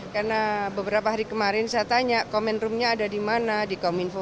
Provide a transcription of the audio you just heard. karena beberapa hari kemarin saya tanya komen roomnya ada di mana di kominfo